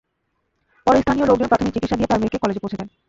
পরে স্থানীয় লোকজন প্রাথমিক চিকিৎসা দিয়ে তাঁর মেয়েকে কলেজে পৌঁছে দেন।